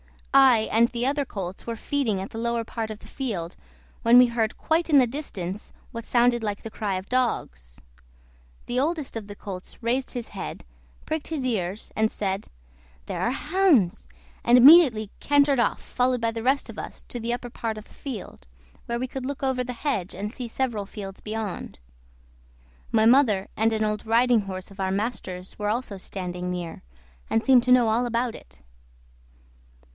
I and the other colts were feeding at the lower part of the field when we heard, quite in the distance, what sounded like the cry of dogs. The oldest of the colts raised his head, pricked his ears, and said, "There are the hounds!" and immediately cantered off, followed by the rest of us to the upper part of the field, where we could look over the hedge and see several fields beyond. My mother and an old riding horse of our master's were also standing near, and seemed to know all about it.